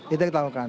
itu yang kita lakukan